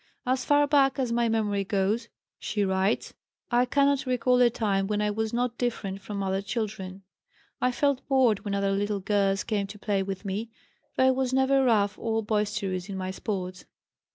"As far back as my memory goes," she writes, "I cannot recall a time when I was not different from other children. I felt bored when other little girls came to play with me, though I was never rough or boisterous in my sports."